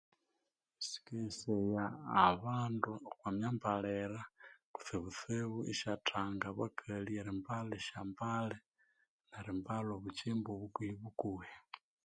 Sikeghesaya abandu okwa myambalire, kutsibutsibu isyathanga abakali eryambalha esya mbali, nerimbalha obukyimba obukuhi bukuhi.